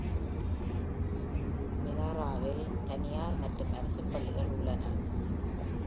Miniaraவில் தனியார் மற்றும் அரசுப் பள்ளிகள் உள்ளன.